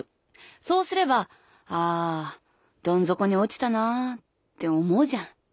そうすればああどん底に落ちたなぁって思うじゃん。